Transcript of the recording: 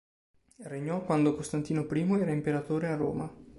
Regnò quando Costantino I era imperatore a Roma.